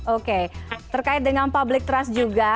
oke terkait dengan public trust juga